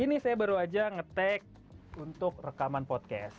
ini saya baru aja nge tag untuk rekaman podcast